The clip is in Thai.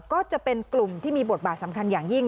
ก็จะเป็นกลุ่มที่มีบทบาทสำคัญอย่างยิ่ง